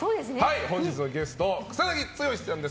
本日のゲスト、草なぎ剛さんです。